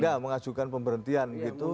dia mengajukan pemberhentian gitu